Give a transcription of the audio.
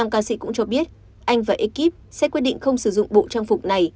năm ca sĩ cũng cho biết anh và ekip sẽ quyết định không sử dụng bộ trang phục này